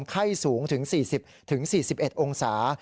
ไข้สูงถึง๔๐๔๑องศา